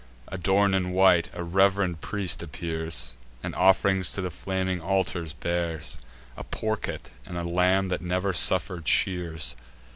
Adorn'd in white, a rev'rend priest appears, And off'rings to the flaming altars bears; A porket, and a lamb that never suffer'd shears.